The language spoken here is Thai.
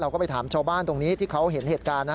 ก็ไปถามชาวบ้านตรงนี้ที่เขาเห็นเหตุการณ์นะ